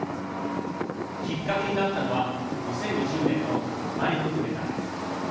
きっかけになったのは２０２０年のマリのクーデターです。